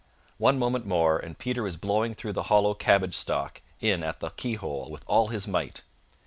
One moment more, and Peter was blowing through the hollow cabbage stalk in at the keyhole with all his might.